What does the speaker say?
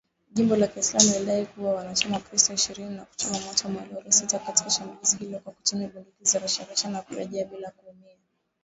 jimbo la kiislamu ilidai kuua wanachama wakikristo ishirini na kuchoma moto malori sita katika shambulizi hilo kwa kutumia bunduki za rashasha na kurejea bila kuumia.